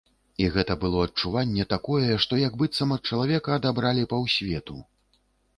І гэта было адчуванне такое, што як быццам ад чалавека адабралі паўсвету.